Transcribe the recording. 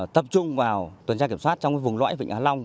tập trung vào tuần tra kiểm soát trong vùng lõi vịnh hạ long